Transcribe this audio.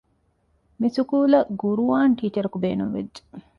މިސުކޫލަށް ޤުރުޢާން ޓީޗަރަކު ބޭނުންވެއްޖެ